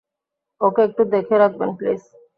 ওকে একটু দেখে রাখবেন প্লিজ।